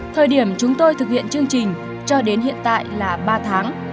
thời điểm chúng tôi thực hiện chương trình cho đến hiện tại là ba tháng